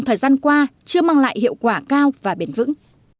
thời gian qua chưa mang lại hiệu quả cao và bền vững